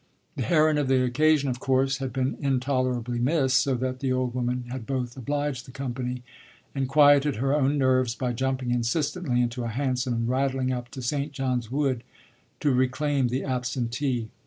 The heroine of the occasion of course had been intolerably missed, so that the old woman had both obliged the company and quieted her own nerves by jumping insistently into a hansom and rattling up to Saint John's Wood to reclaim the absentee.